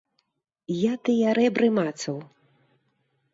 Я тыя рэбры мацаў.